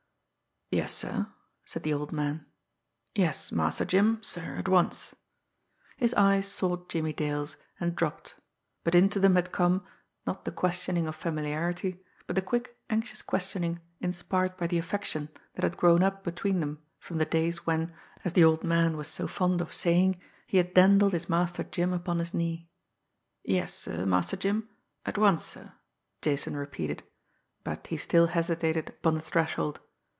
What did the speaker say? "Yes, sir," said the old man. "Yes, Master Jim, sir, at once." His eyes sought Jimmie Dale's, and dropped but into them had come, not the questioning of familiarity, but the quick, anxious questioning inspired by the affection that had grown up between them from the days when, as the old man was so fond of saying, he had dandled his Master Jim upon his knee. "Yes, sir, Master Jim, at once, sir," Jason repeated but he still hesitated upon the threshold.